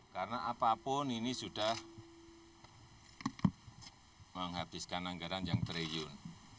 karena apapun ini sudah menghabiskan anggaran yang triliun